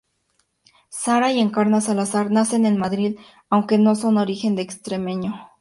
Sara y Encarna Salazar nacen en Madrid, aunque son de origen extremeño.